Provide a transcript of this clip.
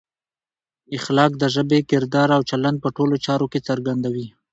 اخلاق د ژبې، کردار او چلند په ټولو چارو کې څرګندوي.